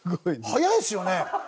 早いですよね。